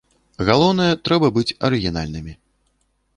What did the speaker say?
Галоўнае, трэба быць арыгінальнымі.